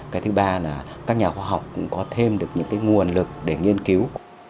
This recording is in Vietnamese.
cái thứ ba là các nhà khoa học cũng có thêm được những cái nguồn lực để nghiên cứu